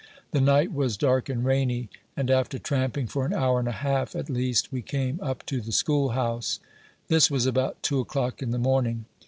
The night was dark and rainy, and after tramping for an hour and a half, at least, we came up to the school house. This was about two o'clock in the morning.